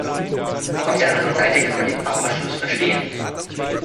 Auf der anderen Seite kann man den Fachausschuss verstehen.